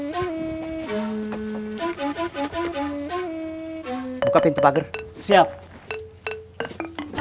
saya akan capai pertempuran perfect nunca terjadi